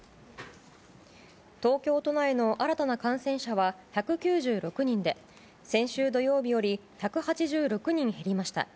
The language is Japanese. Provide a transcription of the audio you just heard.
東京都内の新たな感染者は１９６人で先週土曜日より１８６人減りました。